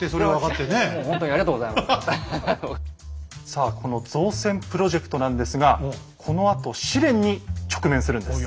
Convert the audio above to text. さあこの造船プロジェクトなんですがこのあと試練に直面するんです。